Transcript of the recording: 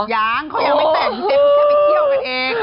ยังเขายังไม่แต่งเต็มไปเที่ยวกันเอง